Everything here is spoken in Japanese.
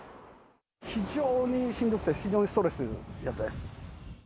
非常にしんどくて、非常にストレスやったです。